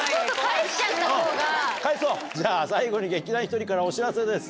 じゃ最後に劇団ひとりからお知らせです。